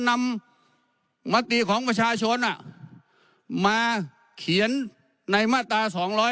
นำมติของประชาชนมาเขียนในมาตรา๒๗